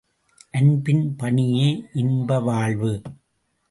அன்பின் பணியே இன்ப வாழ்வு.